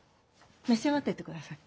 召し上がっててください。